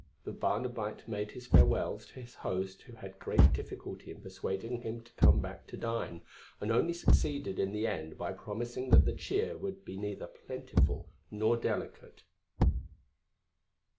The Barnabite made his farewells to his host who had great difficulty in persuading him to come back to dine, and only succeeded in the end by promising that the cheer would be neither plentiful nor delicate.